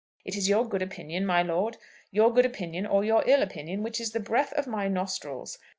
It is your good opinion, my lord, your good opinion or your ill opinion which is the breath of my nostrils.